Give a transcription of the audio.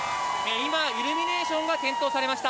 今、イルミネーションが点灯されました。